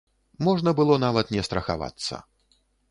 Можна было нават не страхавацца.